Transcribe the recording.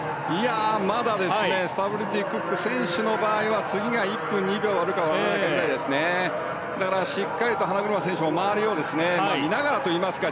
まだスタブルティ・クック選手の場合は次が１分２秒割るか割らないかぐらいですね。